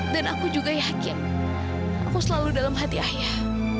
dan aku juga yakin aku selalu dalam hati ayah